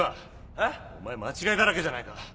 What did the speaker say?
えっ？お前間違いだらけじゃないか。